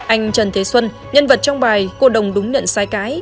anh trần thế xuân nhân vật trong bài cô đồng đúng nhận sai cái